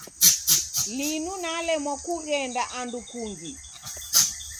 Linu nalemwa ni kughenda andu kungi.